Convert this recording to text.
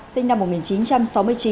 sinh năm một nghìn chín trăm sáu mươi chín